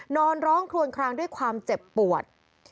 นอนร้องคลวนคลางด้วยความเจ็บปวด